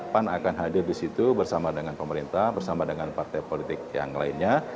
pan akan hadir di situ bersama dengan pemerintah bersama dengan partai politik yang lainnya